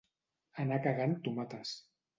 Anar cagant tomates.